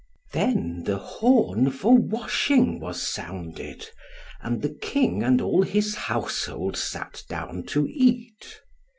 Then the horn for washing was sounded, and the King and all his household sat down to eat.